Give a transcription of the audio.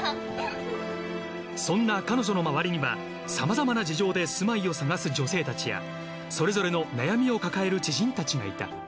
そんな彼女の周りにはさまざまな事情で住まいを探す女性たちやそれぞれの悩みを抱える知人たちがいた。